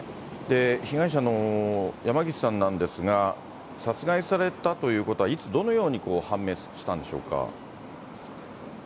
被害者の山岸さんなんですが、殺害されたということは、いつ、どのように判明したんでしょうか。